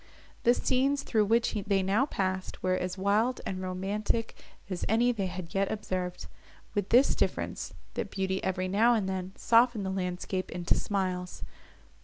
The scenes, through which they now passed, were as wild and romantic, as any they had yet observed, with this difference, that beauty, every now and then, softened the landscape into smiles.